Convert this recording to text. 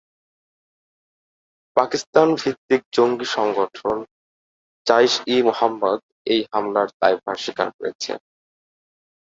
পাকিস্তান ভিত্তিক জঙ্গি সংগঠন জাইশ-ই-মোহাম্মদ এই হামলার দায়ভার স্বীকার করেছে।